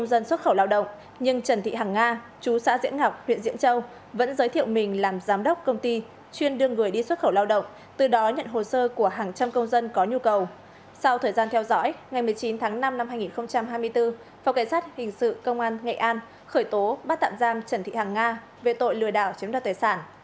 sau thời gian theo dõi ngày một mươi chín tháng năm năm hai nghìn hai mươi bốn phòng kẻ sát hình sự công an nghệ an khởi tố bắt tạm giam trần thị hằng nga về tội lừa đảo chiếm đoàn tài sản